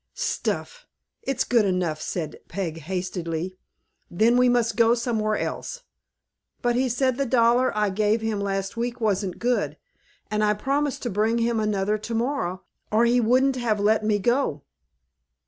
"Stuff! it's good enough," said Peg, hastily. "Then we must go somewhere else." "But he said the dollar I gave him last week wasn't good, and I promised to bring him another to morrow, or he wouldn't have let me go."